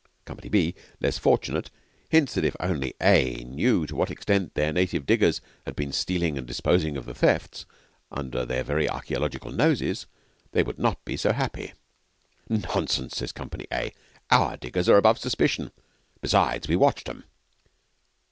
Company B, less fortunate, hints that if only A knew to what extent their native diggers had been stealing and disposing of the thefts, under their very archaeological noses, they would not be so happy. 'Nonsense,' says Company A. 'Our diggers are above suspicion. Besides, we watched 'em.'